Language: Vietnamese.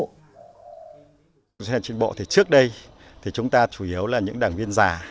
trên tri bộ thì trước đây thì chúng ta chủ yếu là những đảng viên già